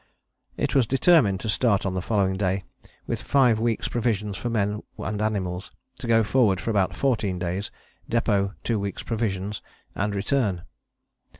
It was determined to start on the following day with five weeks' provisions for men and animals; to go forward for about fourteen days, depôt two weeks' provisions and return.